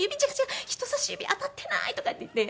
「人さし指当たってない」とかって言って。